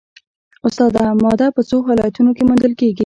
استاده ماده په څو حالتونو کې موندل کیږي